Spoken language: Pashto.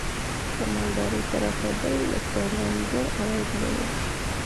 د مالدارۍ پراخېدل د کروندګر عواید لوړوي.